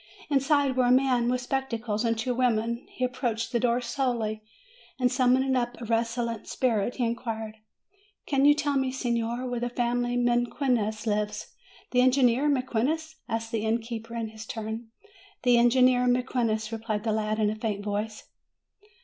Inside were a man with spectacles, and two women. He approached the door slowly, and summoning up a resolute spirit, he inquired : "Can you tell me, signor, where the family Mequinez lives?" "The engineer Mequinez?" asked the innkeeper in his turn. "The engineer Mequinez," replied the lad in a faint voice.